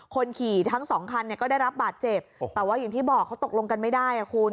คนขี่ทั้งสองคันเนี่ยก็ได้รับบาดเจ็บแต่ว่าอย่างที่บอกเขาตกลงกันไม่ได้อ่ะคุณ